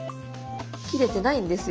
切れてないんですよ。